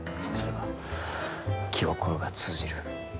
そうすれば気心が通じる。